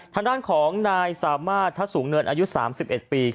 ทางด้านของนายสามารถทัศสูงเนินอายุ๓๑ปี